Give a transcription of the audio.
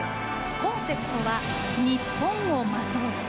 コンセプトはニッポンをまとう。